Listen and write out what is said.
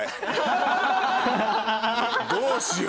どうしよう。